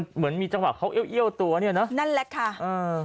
เหมือนมีจังหวะเขาเอี้ยเอี้ยวตัวเนี้ยเนอะนั่นแหละค่ะเออ